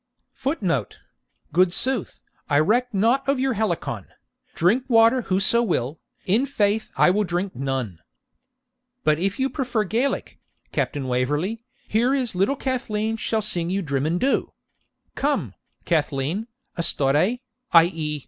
[Footnote: Good sooth, I reck nought of your Helicon; Drink water whoso will, in faith I will drink none.] But if you prefer the Gaelic, Captain Waverley, here is little Cathleen shall sing you Drimmindhu. Come, Cathleen, astore (i.e.